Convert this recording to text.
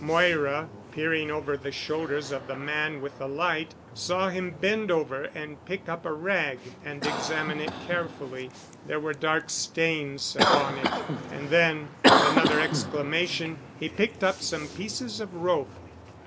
Moira peering over the shoulders of the man with the light saw him bend over and pick up a rag and examine it carefully. There were dark stains upon it. And then with another exclamation he picked up some pieces of rope.